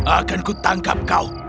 aku akan tangkapmu